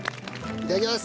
いただきます。